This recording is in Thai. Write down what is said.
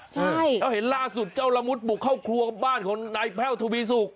ใช่แล้วเห็นล่าสุดเจ้าละมุดบุกเข้าครัวบ้านของนายแพ่วทวีสุก